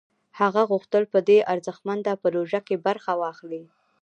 هغه غوښتل په دې ارزښتمنه پروژه کې برخه واخلي